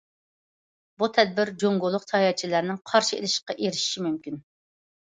بۇ تەدبىر جۇڭگولۇق ساياھەتچىلەرنىڭ قارشى ئېلىشىغا ئېرىشىشى مۇمكىن.